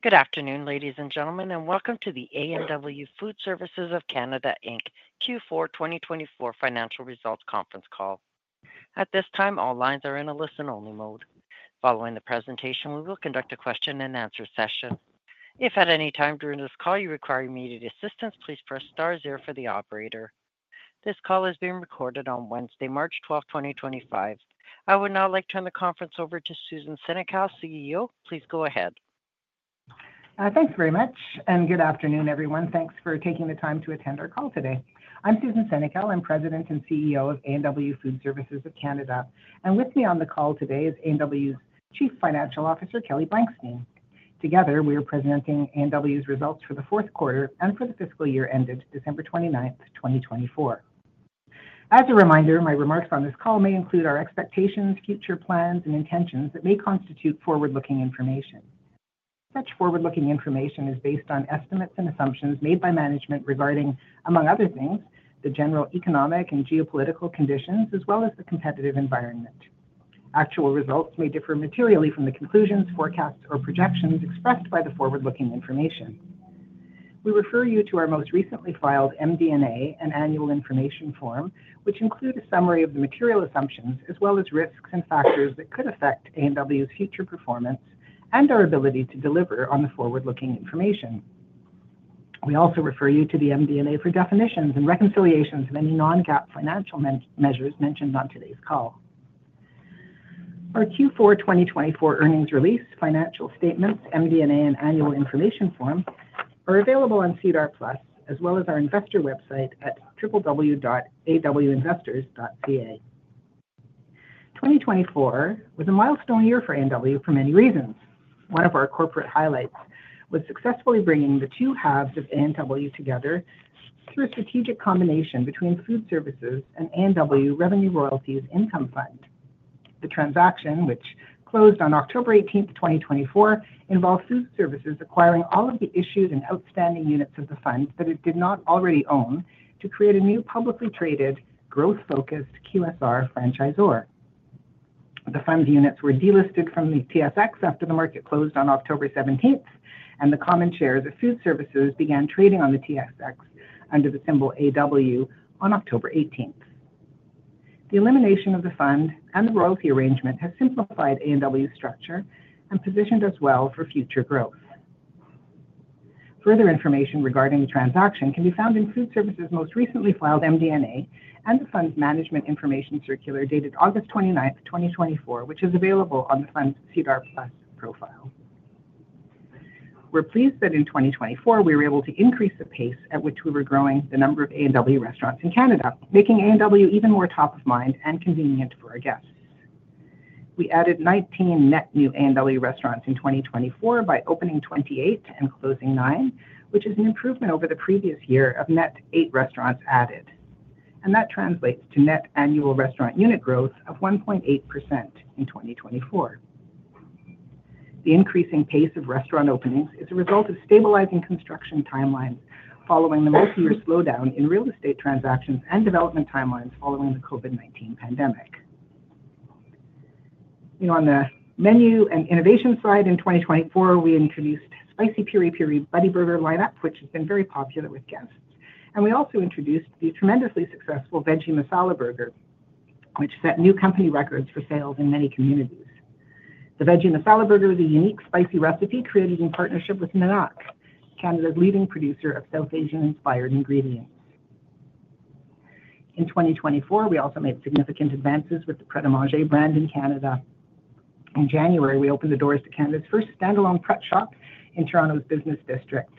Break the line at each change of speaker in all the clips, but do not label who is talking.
Good afternoon, ladies and gentlemen, and welcome to the A&W Food Services of Canada Q4 2024 Financial Results Conference Call. At this time, all lines are in a listen-only mode. Following the presentation, we will conduct a Q&A session. If at any time during this call you require immediate assistance, please press *0 for the operator. This call is being recorded on Wednesday, March 12, 2025. I would now like to turn the conference over to Susan Senecal, CEO. Please go ahead.
Thanks very much, and good afternoon, everyone. Thanks for taking the time to attend our call today. I'm Susan Senecal. I'm President and CEO of A&W Food Services of Canada, and with me on the call today is A&W's Chief Financial Officer, Kelly Blankstein. Together, we are presenting A&W's results for the fourth quarter and for the fiscal year ended December 29, 2024. As a reminder, my remarks on this call may include our expectations, future plans, and intentions that may constitute forward-looking information. Such forward-looking information is based on estimates and assumptions made by management regarding, among other things, the general economic and geopolitical conditions, as well as the competitive environment. Actual results may differ materially from the conclusions, forecasts, or projections expressed by the forward-looking information. We refer you to our most recently filed MD&A and Annual Information Form, which include a summary of the material assumptions as well as risks and factors that could affect A&W's future performance and our ability to deliver on the forward-looking information. We also refer you to the MD&A for definitions and reconciliations of any non-GAAP financial measures mentioned on today's call. Our Q4 2024 earnings release, financial statements, MD&A, and Annual Information Form are available on SEDAR+, as well as our investor website at www.awinvestors.ca. 2024 was a milestone year for A&W for many reasons. One of our corporate highlights was successfully bringing the two halves of A&W together through a strategic combination between Food Services and A&W Revenue Royalties Income Fund. The transaction, which closed on October 18, 2024, involved Food Services acquiring all of the issued and outstanding units of the fund that it did not already own to create a new publicly traded, growth-focused QSR franchisor. The Fund units were delisted from the TSX after the market closed on October 17, and the common shares of Food Services began trading on the TSX under the symbol AW on October 18. The elimination of the Fund and the royalty arrangement has simplified A&W's structure and positioned us well for future growth. Further information regarding the transaction can be found in Food Services' most recently filed MD&A and the Fund's Management Information Circular dated August 29, 2024, which is available on the Fund's SEDAR+ profile. We're pleased that in 2024 we were able to increase the pace at which we were growing the number of A&W restaurants in Canada, making A&W even more top of mind and convenient for our guests. We added 19 net new A&W restaurants in 2024 by opening 28 and closing 9, which is an improvement over the previous year of net 8 restaurants added, and that translates to net annual restaurant unit growth of 1.8% in 2024. The increasing pace of restaurant openings is a result of stabilizing construction timelines following the multi-year slowdown in real estate transactions and development timelines following the COVID-19 pandemic. On the menu and innovation side, in 2024, we introduced Spicy Piri Piri Buddy Burger lineup, which has been very popular with guests, and we also introduced the tremendously successful Veggie Masala Burger, which set new company records for sales in many communities. The Veggie Masala Burger is a unique spicy recipe created in partnership with Nanak, Canada's leading producer of South Asian-inspired ingredients. In 2024, we also made significant advances with the Pret A Manger brand in Canada. In January, we opened the doors to Canada's first standalone Pret shop in Toronto's business district.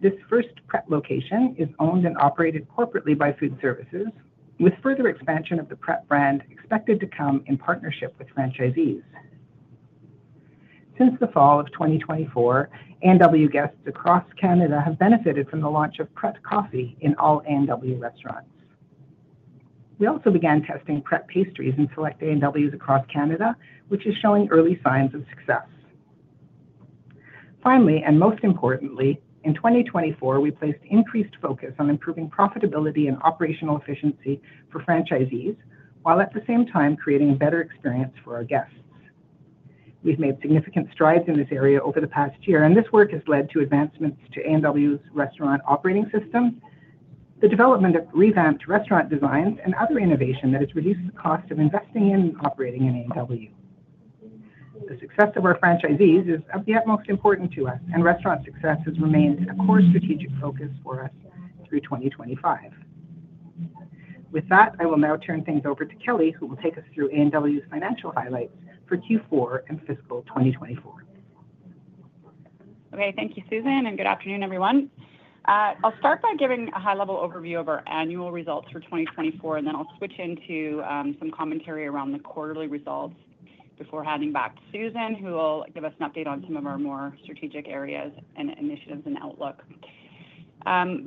This first Pret location is owned and operated corporately by Food Services, with further expansion of the Pret brand expected to come in partnership with franchisees. Since the fall of 2024, A&W guests across Canada have benefited from the launch of Pret Coffee in all A&W restaurants. We also began testing Pret Pastries in select A&Ws across Canada, which is showing early signs of success. Finally, and most importantly, in 2024, we placed increased focus on improving profitability and operational efficiency for franchisees while at the same time creating a better experience for our guests. We've made significant strides in this area over the past year, and this work has led to advancements to A&W's restaurant operating systems, the development of revamped restaurant designs, and other innovation that has reduced the cost of investing in and operating in A&W. The success of our franchisees is of the utmost importance to us, and restaurant success has remained a core strategic focus for us through 2025. With that, I will now turn things over to Kelly, who will take us through A&W's financial highlights for Q4 and fiscal 2024.
Okay, thank you, Susan, and good afternoon, everyone. I'll start by giving a high-level overview of our annual results for 2024, and then I'll switch into some commentary around the quarterly results before handing back to Susan, who will give us an update on some of our more strategic areas and initiatives and outlook.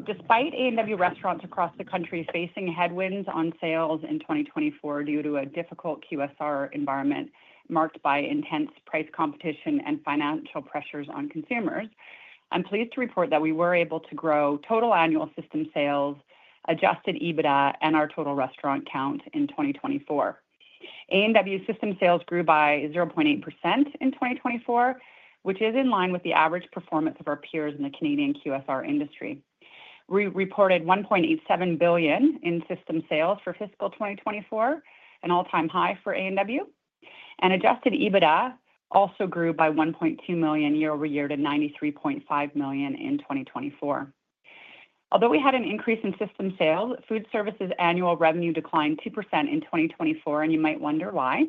Despite A&W restaurants across the country facing headwinds on sales in 2024 due to a difficult QSR environment marked by intense price competition and financial pressures on consumers, I'm pleased to report that we were able to grow total annual system sales, adjusted EBITDA, and our total restaurant count in 2024. A&W system sales grew by 0.8% in 2024, which is in line with the average performance of our peers in the Canadian QSR industry. We reported 1.87 billion in system sales for fiscal 2024, an all-time high for A&W, and adjusted EBITDA also grew by 1.2 million year-over-year to 93.5 million in 2024. Although we had an increase in system sales, Food Services' annual revenue declined 2% in 2024, and you might wonder why.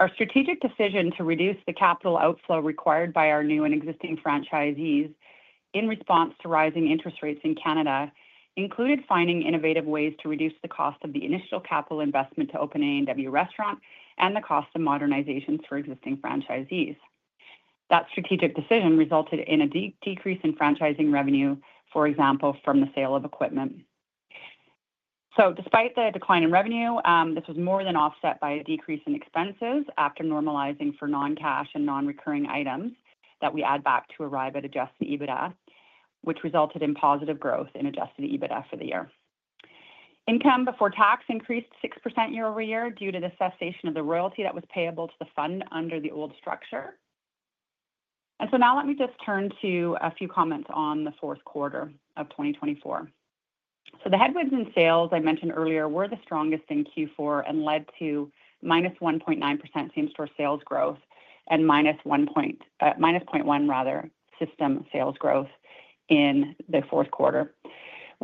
Our strategic decision to reduce the capital outflow required by our new and existing franchisees in response to rising interest rates in Canada included finding innovative ways to reduce the cost of the initial capital investment to open an A&W restaurant and the cost of modernizations for existing franchisees. That strategic decision resulted in a decrease in franchising revenue, for example, from the sale of equipment. Despite the decline in revenue, this was more than offset by a decrease in expenses after normalizing for non-cash and non-recurring items that we add back to arrive at adjusted EBITDA, which resulted in positive growth in adjusted EBITDA for the year. Income before tax increased 6% year-over-year due to the cessation of the royalty that was payable to the Fund under the old structure. Now let me just turn to a few comments on the fourth quarter of 2024. The headwinds in sales I mentioned earlier were the strongest in Q4 and led to -1.9% same-store sales growth and -0.1% system sales growth in the fourth quarter.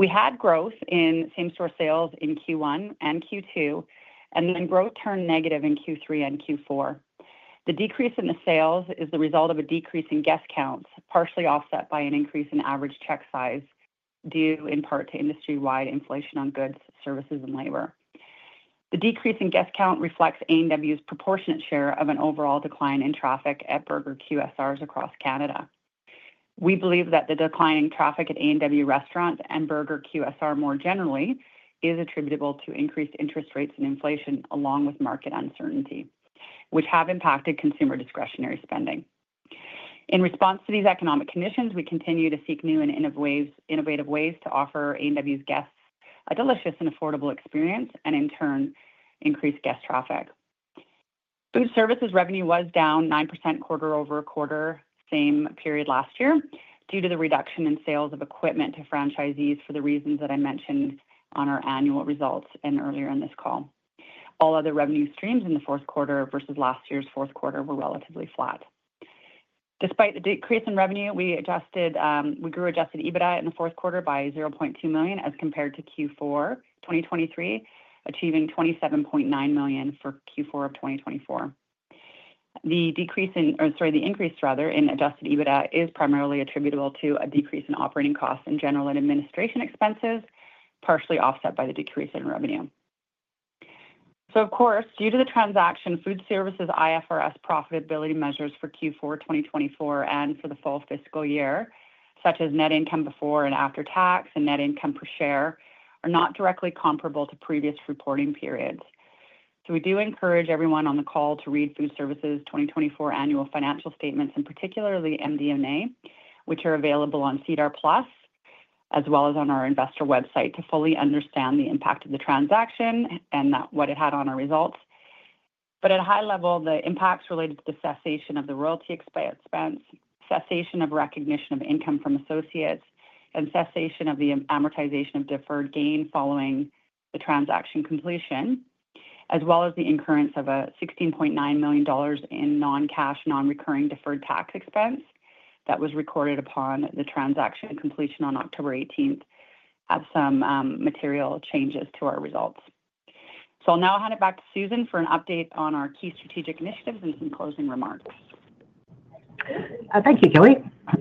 We had growth in same-store sales in Q1 and Q2, and then growth turned negative in Q3 and Q4. The decrease in the sales is the result of a decrease in guest counts, partially offset by an increase in average check size due in part to industry-wide inflation on goods, services, and labor. The decrease in guest count reflects A&W's proportionate share of an overall decline in traffic at burger QSRs across Canada. We believe that the declining traffic at A&W restaurants and burger QSR more generally is attributable to increased interest rates and inflation along with market uncertainty, which have impacted consumer discretionary spending. In response to these economic conditions, we continue to seek new and innovative ways to offer A&W's guests a delicious and affordable experience and, in turn, increase guest traffic. Food Services' revenue was down 9% quarter-over-quarter same period last year due to the reduction in sales of equipment to franchisees for the reasons that I mentioned on our annual results earlier in this call. All other revenue streams in the fourth quarter versus last year's fourth quarter were relatively flat. Despite the decrease in revenue, we grew adjusted EBITDA in the fourth quarter by $0.2 million as compared to Q4 2023, achieving $27.9 million for Q4 of 2024. The decrease in, or sorry, the increase, rather, in adjusted EBITDA is primarily attributable to a decrease in operating costs in general and administration expenses, partially offset by the decrease in revenue. Of course, due to the transaction, Food Services' IFRS profitability measures for Q4 2024 and for the full fiscal year, such as net income before and after tax and net income per share, are not directly comparable to previous reporting periods. We do encourage everyone on the call to read Food Services' 2024 annual financial statements, and particularly MD&A, which are available on SEDAR+ as well as on our investor website to fully understand the impact of the transaction and what it had on our results. At a high level, the impacts related to the cessation of the royalty expense, cessation of recognition of income from associates, and cessation of the amortization of deferred gain following the transaction completion, as well as the incurrence of a $16.9 million in non-cash, non-recurring deferred tax expense that was recorded upon the transaction completion on October 18, had some material changes to our results. I'll now hand it back to Susan for an update on our key strategic initiatives and some closing remarks.
Thank you, Kelly.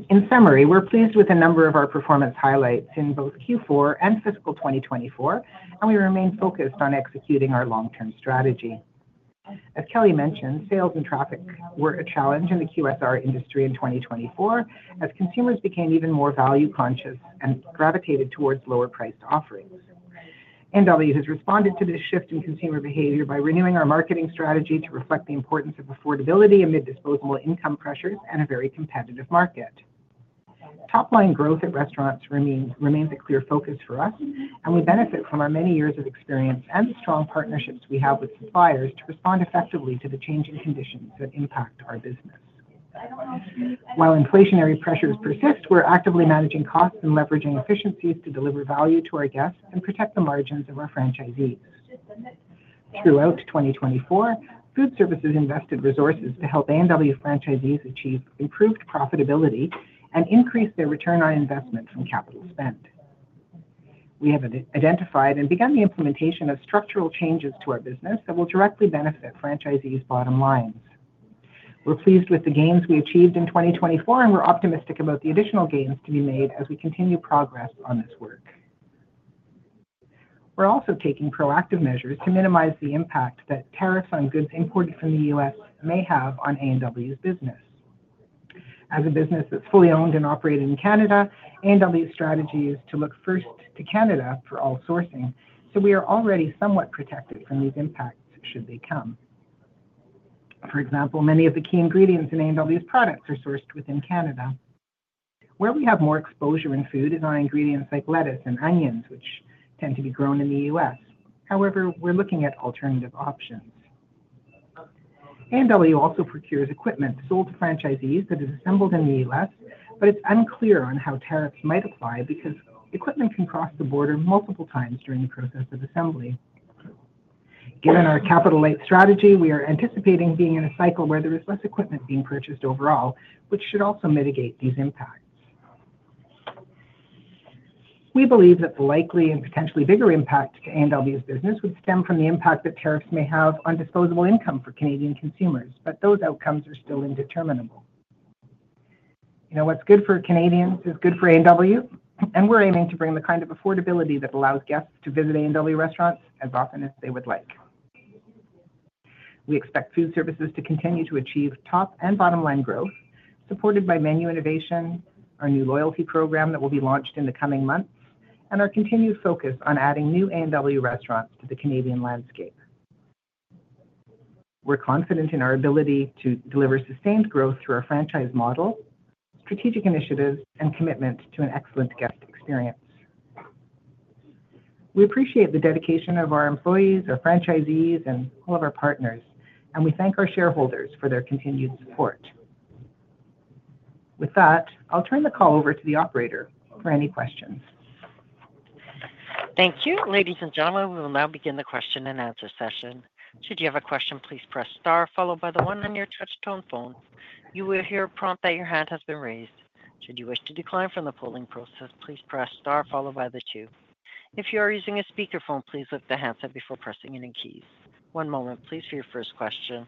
In summary, we're pleased with a number of our performance highlights in both Q4 and fiscal 2024, and we remain focused on executing our long-term strategy. As Kelly mentioned, sales and traffic were a challenge in the QSR industry in 2024 as consumers became even more value-conscious and gravitated towards lower-priced offerings. A&W has responded to this shift in consumer behavior by renewing our marketing strategy to reflect the importance of affordability amid disposable income pressures and a very competitive market. Top-line growth at restaurants remains a clear focus for us, and we benefit from our many years of experience and the strong partnerships we have with suppliers to respond effectively to the changing conditions that impact our business. While inflationary pressures persist, we're actively managing costs and leveraging efficiencies to deliver value to our guests and protect the margins of our franchisees. Throughout 2024, Food Services invested resources to help A&W franchisees achieve improved profitability and increase their return on investment from capital spend. We have identified and begun the implementation of structural changes to our business that will directly benefit franchisees' bottom lines. We're pleased with the gains we achieved in 2024, and we're optimistic about the additional gains to be made as we continue progress on this work. We're also taking proactive measures to minimize the impact that tariffs on goods imported from the U.S. may have on A&W's business. As a business that's fully owned and operated in Canada, A&W's strategy is to look first to Canada for all sourcing, so we are already somewhat protected from these impacts should they come. For example, many of the key ingredients in A&W's products are sourced within Canada, where we have more exposure in food and on ingredients like lettuce and onions, which tend to be grown in the U.S. However, we're looking at alternative options. A&W also procures equipment sold to franchisees that is assembled in the U.S., but it's unclear on how tariffs might apply because equipment can cross the border multiple times during the process of assembly. Given our capital-light strategy, we are anticipating being in a cycle where there is less equipment being purchased overall, which should also mitigate these impacts. We believe that the likely and potentially bigger impact to A&W's business would stem from the impact that tariffs may have on disposable income for Canadian consumers, but those outcomes are still indeterminable. You know, what's good for Canadians is good for A&W, and we're aiming to bring the kind of affordability that allows guests to visit A&W restaurants as often as they would like. We expect Food Services to continue to achieve top and bottom-line growth, supported by menu innovation, our new loyalty program that will be launched in the coming months, and our continued focus on adding new A&W restaurants to the Canadian landscape. We're confident in our ability to deliver sustained growth through our franchise model, strategic initiatives, and commitment to an excellent guest experience. We appreciate the dedication of our employees, our franchisees, and all of our partners, and we thank our shareholders for their continued support. With that, I'll turn the call over to the operator for any questions.
Thank you. Ladies and gentlemen, we will now begin the question and answer session. Should you have a question, please press * followed by the 1 on your touch-tone phone. You will hear a prompt that your hand has been raised. Should you wish to decline from the polling process, please press * followed by the 2. If you are using a speakerphone, please lift the handset before pressing any keys. One moment, please, for your first question.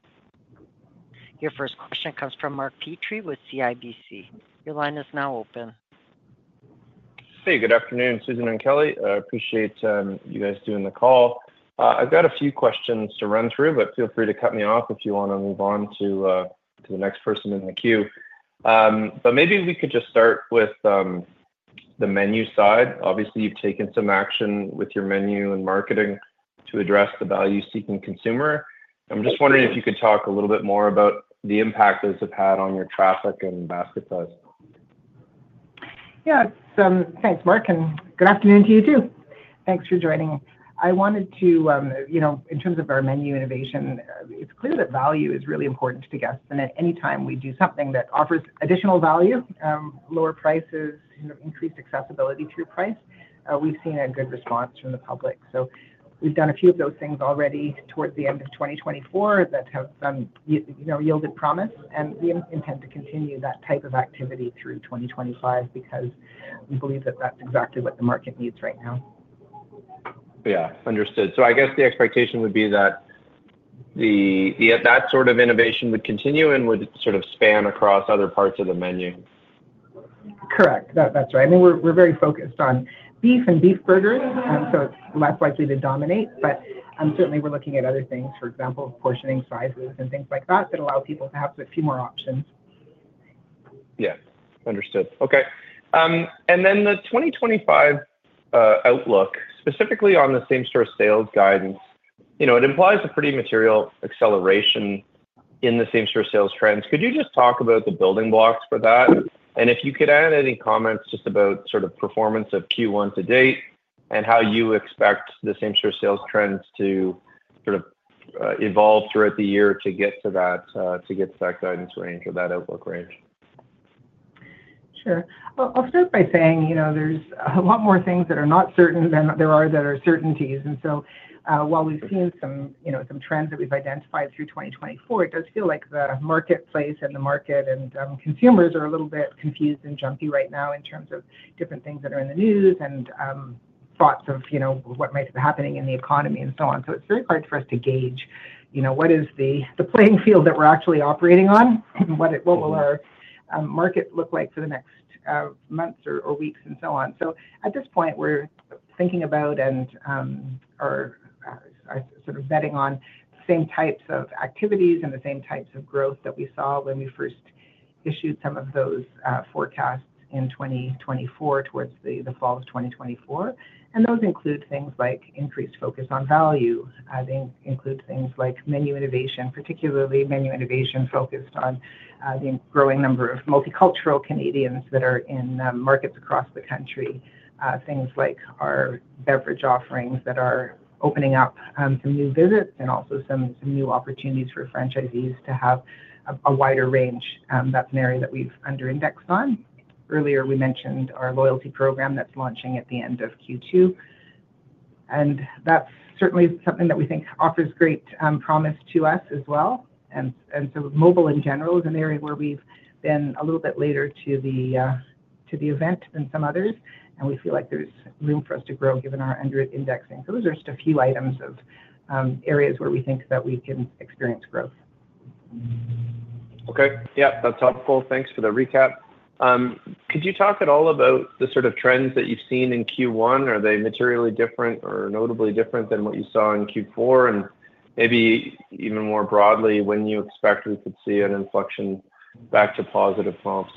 Your first question comes from Mark Petrie with CIBC. Your line is now open.
Hey, good afternoon, Susan and Kelly. I appreciate you guys doing the call. I have got a few questions to run through, but feel free to cut me off if you want to move on to the next person in the queue. Maybe we could just start with the menu side. Obviously, you have taken some action with your menu and marketing to address the value-seeking consumer. I am just wondering if you could talk a little bit more about the impact those have had on your traffic and basket size.
Yeah, thanks, Mark, and good afternoon to you too. Thanks for joining. I wanted to, you know, in terms of our menu innovation, it's clear that value is really important to guests, and at any time we do something that offers additional value, lower prices, increased accessibility through price, we've seen a good response from the public. We've done a few of those things already towards the end of 2024 that have yielded promise, and we intend to continue that type of activity through 2025 because we believe that that's exactly what the market needs right now.
Yeah, understood. I guess the expectation would be that that sort of innovation would continue and would sort of span across other parts of the menu.
Correct, that's right. I mean, we're very focused on beef and beef burgers, so it's less likely to dominate, but certainly we're looking at other things, for example, portioning sizes and things like that that allow people to have a few more options.
Yeah, understood. Okay. The 2025 outlook, specifically on the same-store sales guidance, you know, it implies a pretty material acceleration in the same-store sales trends. Could you just talk about the building blocks for that? If you could add any comments just about sort of performance of Q1 to date and how you expect the same-store sales trends to sort of evolve throughout the year to get to that guidance range or that outlook range.
Sure. I'll start by saying, you know, there's a lot more things that are not certain than there are that are certainties. While we've seen some trends that we've identified through 2024, it does feel like the marketplace and the market and consumers are a little bit confused and jumpy right now in terms of different things that are in the news and thoughts of what might be happening in the economy and so on. It's very hard for us to gauge, you know, what is the playing field that we're actually operating on and what will our market look like for the next months or weeks and so on. At this point, we're thinking about and are sort of betting on the same types of activities and the same types of growth that we saw when we first issued some of those forecasts in 2024 towards the fall of 2024. Those include things like increased focus on value. They include things like menu innovation, particularly menu innovation focused on the growing number of multicultural Canadians that are in markets across the country. Things like our beverage offerings that are opening up some new visits and also some new opportunities for franchisees to have a wider range. That's an area that we've under-indexed on. Earlier, we mentioned our loyalty program that's launching at the end of Q2, and that's certainly something that we think offers great promise to us as well. Mobile in general is an area where we've been a little bit later to the event than some others, and we feel like there's room for us to grow given our under-indexing. Those are just a few items of areas where we think that we can experience growth.
Okay, yeah, that's helpful. Thanks for the recap. Could you talk at all about the sort of trends that you've seen in Q1? Are they materially different or notably different than what you saw in Q4? Maybe even more broadly, when you expect we could see an inflection back to positive comps?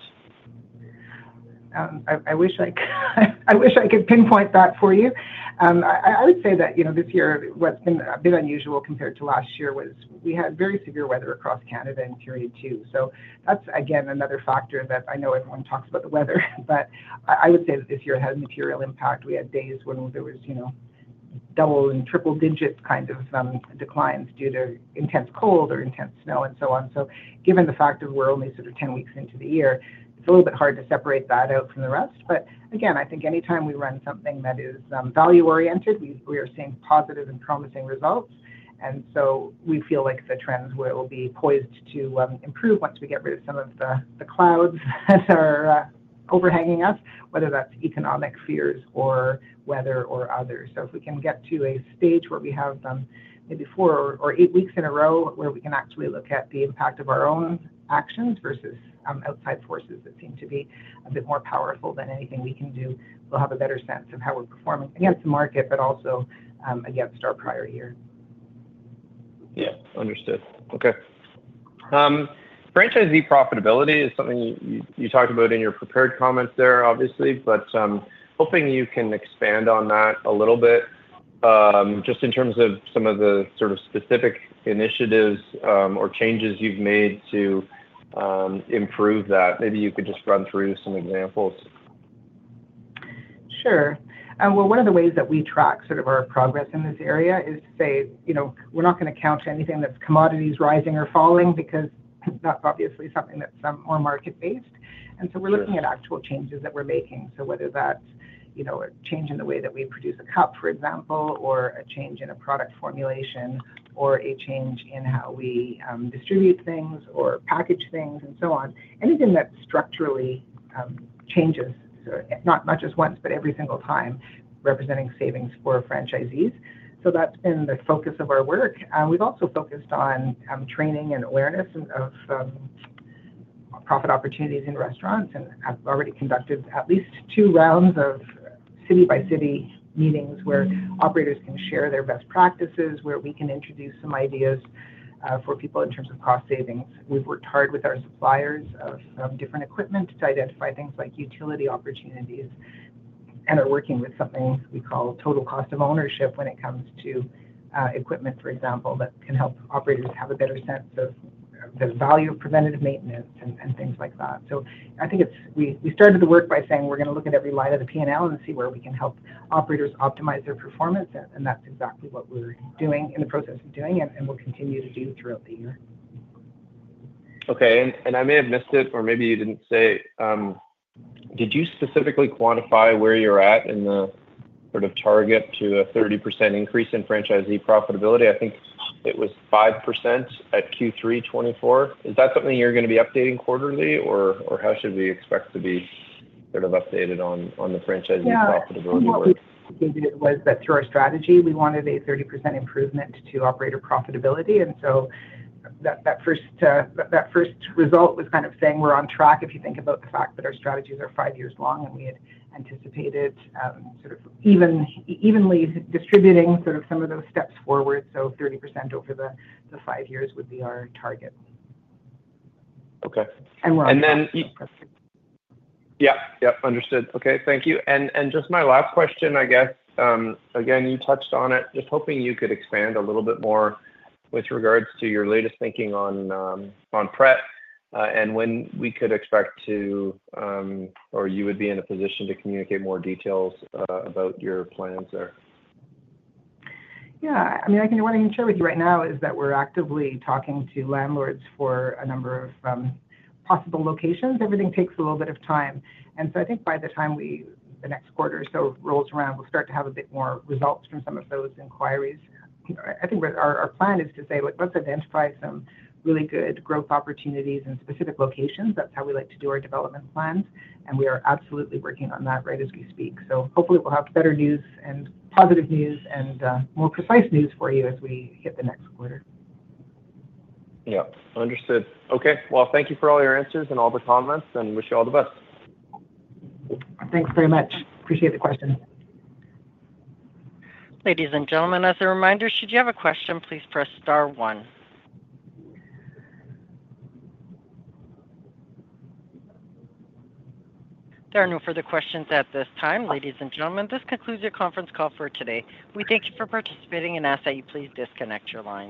I wish I could pinpoint that for you. I would say that, you know, this year, what's been a bit unusual compared to last year was we had very severe weather across Canada in period two. That is, again, another factor that I know everyone talks about the weather, but I would say that this year had a material impact. We had days when there was, you know, double and triple-digit kind of declines due to intense cold or intense snow and so on. Given the fact that we're only sort of 10 weeks into the year, it's a little bit hard to separate that out from the rest. Again, I think anytime we run something that is value-oriented, we are seeing positive and promising results. We feel like the trends will be poised to improve once we get rid of some of the clouds that are overhanging us, whether that's economic fears or weather or others. If we can get to a stage where we have maybe four or eight weeks in a row where we can actually look at the impact of our own actions versus outside forces that seem to be a bit more powerful than anything we can do, we'll have a better sense of how we're performing against the market, but also against our prior year.
Yeah, understood. Okay. Franchisee profitability is something you talked about in your prepared comments there, obviously, but hoping you can expand on that a little bit just in terms of some of the sort of specific initiatives or changes you've made to improve that. Maybe you could just run through some examples.
Sure. One of the ways that we track sort of our progress in this area is to say, you know, we're not going to count anything that's commodities rising or falling because that's obviously something that's more market-based. We are looking at actual changes that we're making. Whether that's, you know, a change in the way that we produce a cup, for example, or a change in a product formulation or a change in how we distribute things or package things and so on. Anything that structurally changes, not just once, but every single time, representing savings for franchisees. That has been the focus of our work. We've also focused on training and awareness of profit opportunities in restaurants and have already conducted at least two rounds of city-by-city meetings where operators can share their best practices, where we can introduce some ideas for people in terms of cost savings. We've worked hard with our suppliers of different equipment to identify things like utility opportunities and are working with something we call total cost of ownership when it comes to equipment, for example, that can help operators have a better sense of the value of preventative maintenance and things like that. I think we started the work by saying we're going to look at every line of the P&L and see where we can help operators optimize their performance, and that's exactly what we're doing in the process of doing and will continue to do throughout the year.
Okay, and I may have missed it, or maybe you didn't say. Did you specifically quantify where you're at in the sort of target to a 30% increase in franchisee profitability? I think it was 5% at Q3 2024. Is that something you're going to be updating quarterly, or how should we expect to be sort of updated on the franchisee profitability work?
It was that through our strategy, we wanted a 30% improvement to operator profitability. That first result was kind of saying we're on track if you think about the fact that our strategies are five years long and we had anticipated sort of evenly distributing sort of some of those steps forward. 30% over the five years would be our target.
Okay. Then.
We are on track.
Yeah, yeah, understood. Okay, thank you. Just my last question, I guess. Again, you touched on it. Just hoping you could expand a little bit more with regards to your latest thinking on Pret and when we could expect to, or you would be in a position to communicate more details about your plans there.
Yeah, I mean, what I can share with you right now is that we're actively talking to landlords for a number of possible locations. Everything takes a little bit of time. I think by the time the next quarter or so rolls around, we'll start to have a bit more results from some of those inquiries. I think our plan is to say, let's identify some really good growth opportunities in specific locations. That's how we like to do our development plans, and we are absolutely working on that right as we speak. Hopefully we'll have better news and positive news and more precise news for you as we hit the next quarter.
Yeah, understood. Okay, thank you for all your answers and all the comments, and wish you all the best.
Thanks very much. Appreciate the question.
Ladies and gentlemen, as a reminder, should you have a question, please press star one. There are no further questions at this time. Ladies and gentlemen, this concludes your conference call for today. We thank you for participating and ask that you please disconnect your line.